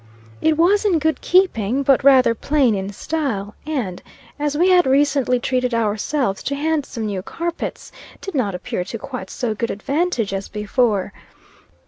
It was in good keeping, but rather plain in style: and, as we had recently treated ourselves to handsome new carpets, did not appear to quite so good advantage as before.